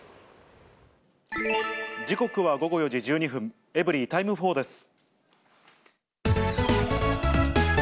時刻は午後４時１２分、エブリィタイム４です。